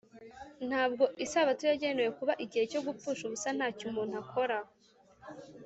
Ntabwo Isabato yagenewe kuba igihe cyo gupfusha ubusa ntacyo umuntu akora.